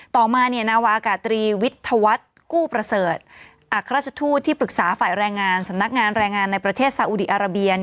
ต่อมานาวาอากาศตรีวิทยาวัฒน์กู้ประเสริฐอัครราชทูตที่ปรึกษาฝ่ายแรงงานสำนักงานแรงงานในประเทศสาอุดีอาราเบีย